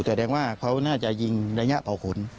แสดงว่าเขาน่าจะยิงระยะเผาขน